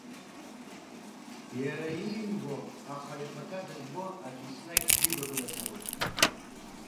Иара иимбо, аха ихаҭа дызбо аӡәы еснагь дивагылазароуп.